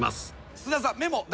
菅田さんに。